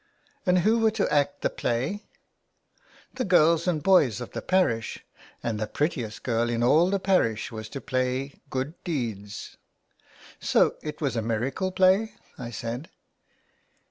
^' And who were to act the play ?" "The girls and boys in the parish, and the prettiest girl in all the parish was to play Good Deeds.'' " So it was a miracle play,'' I said.